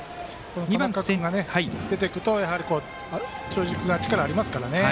田中君が出てくると中軸が力ありますからね。